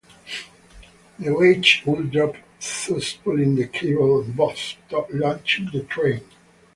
The weight would drop, thus pulling the cable and bob, launching the train.